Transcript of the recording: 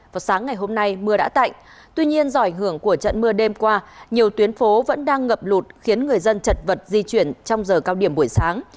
vào sáng ngày hôm nay mưa đã tạnh tuy nhiên do ảnh hưởng của trận mưa đêm qua nhiều tuyến phố vẫn đang ngập lụt khiến người dân chật vật di chuyển trong giờ cao điểm buổi sáng